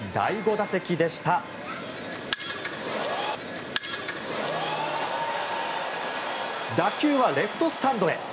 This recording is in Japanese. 打球はレフトスタンドへ。